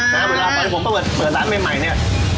แต่เวลาตอนผมเปิดร้านใหม่เนี่ย